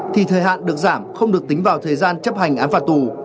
thì thời hạn được giảm không được tính vào thời gian chấp hành án phạt tù